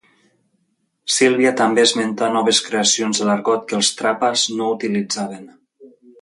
Sílvia també esmentà noves creacions de l'argot que els Trapas no utilitzaven.